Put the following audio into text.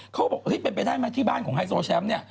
เขาบอกเป็นไปได้ไหมที่บ้านของไฮโซแชมป์เนี่ย